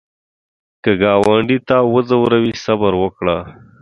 که ګاونډي تا وځوروي، صبر وکړه